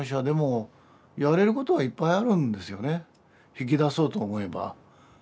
引き出そうと思えば。